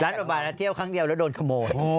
ล้านสักบาทเราเที่ยวครั้งเดียวแล้วโดนขโมย